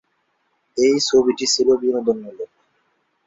এই ছবিটি ছিল বিনোদনমূলক।